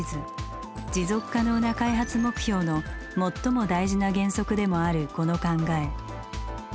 持続可能な開発目標の最も大事な原則でもあるこの考え。